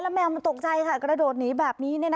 แมวมันตกใจค่ะกระโดดหนีแบบนี้